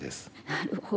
なるほど。